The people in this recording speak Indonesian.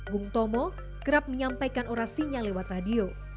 bung tomo kerap menyampaikan orasinya lewat radio